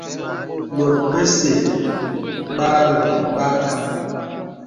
Bòt bəsɛ̄ bə âlɔ bə âkam.